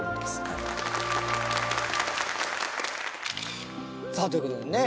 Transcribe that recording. はいさあということでね